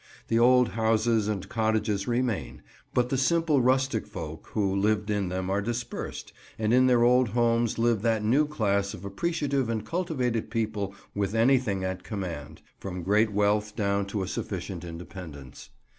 The old houses and cottages remain, but the simple rustic folk who lived in them are dispersed, and in their old homes live that new class of appreciative and cultivated people with anything at command, from great wealth down to a sufficient independence.